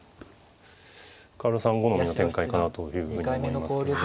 深浦さん好みの展開かなというふうに思いますけどね。